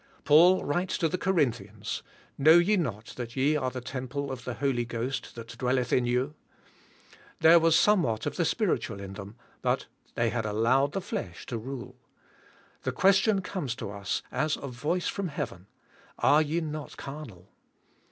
Paul writes to the Corinthians, "Know ye not that ye are the temple of the Holy Ghost that dwelleth in you." There was somewhat of the Spirit in them, but they had allowed the flesh to rule. The question comes to us, as a voice from heav en, "Areye not carnal?"